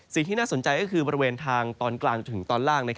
สิ่งที่น่าสนใจก็คือบริเวณทางตอนกลางจนถึงตอนล่าง